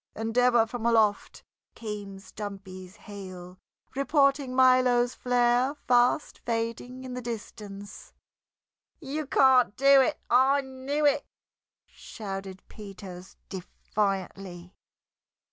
And ever from aloft came Stumpy's hail, reporting Milo's flare fast fading in the distance. "You can't do it! I knew it!" shouted Peters defiantly.